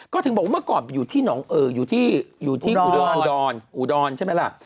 ก็ถึงบอกว่าเมื่อก่อนอยู่ที่อยู่ที่อุดรอุดรใช่ไหมล่ะ